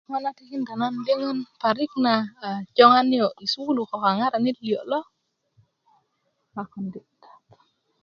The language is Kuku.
ŋo' na tinkinda nan lyöŋón parik na a joŋa niyo' i sukulu ko kaŋaranit liyo lo